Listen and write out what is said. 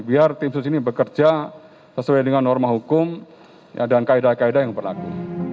biar tim sus ini bekerja sesuai dengan norma hukum dan kaedah kaedah yang berlaku